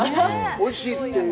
おいしいという。